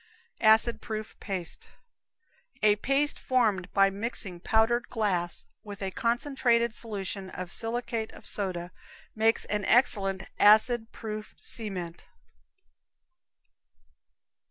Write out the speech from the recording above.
Acid Proof Paste. A paste formed by mixing powdered glass with a concentrated solution of silicate of soda makes an excellent acid proof cement.